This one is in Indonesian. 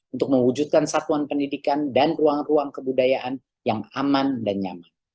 untuk mewujudkan satuan pendidikan dan ruang ruang kebudayaan yang aman dan nyaman